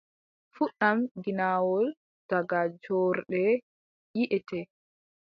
Fuɗɗam ginnawol, daga joorde yiʼété.